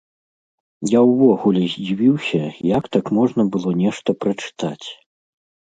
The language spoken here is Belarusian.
Я ўвогуле здзівіўся, як там можна было нешта прачытаць!